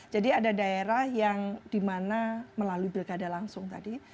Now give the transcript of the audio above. jadi ada daerah yang dimana melalui bilkada langsung tadi